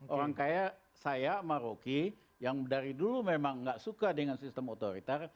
orang kaya saya maroki yang dari dulu memang nggak suka dengan sistem otoriter